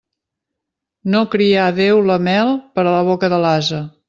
No crià Déu la mel per a la boca de l'ase.